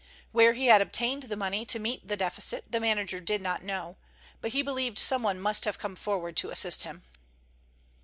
Where he had obtained the money to meet the deficit the manager did not know, but he believed someone must have come forward to assist him.